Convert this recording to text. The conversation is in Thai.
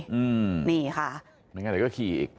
แม่งานเดี๋ยวก็ขี่อีก